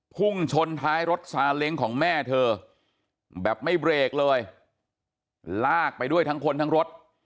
พุ่งชนท้ายรถซาเล้งของแม่เธอแบบไม่เบรกเลยลากไปด้วยทั้งคนทั้งรถ